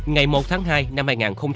ngày một tháng hai năm hai nghìn một mươi chín